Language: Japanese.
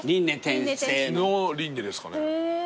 の輪廻ですかね。